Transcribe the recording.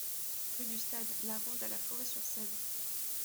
Rue du Stade . La Ronde à La Forêt-sur-Sèvre